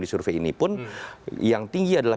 di survei ini pun yang tinggi adalah